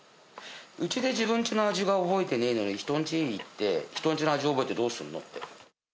うちで自分ちの味を覚えてねえのに、人んち行って、人んちの味覚えてどうするのって。